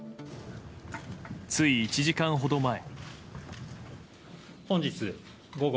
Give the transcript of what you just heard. つい１時間ほど前。